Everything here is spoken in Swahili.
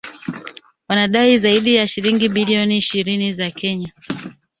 wanadai zaidi ya shilingi bilioni ishirini za Kenya